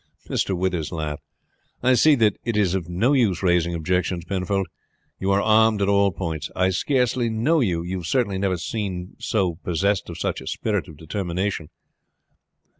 Mr. Withers laughed. "I see that it is of no use raising objections, Penfold; you are armed at all points. I scarcely know you, and have certainly never seen you possessed of such a spirit of determination."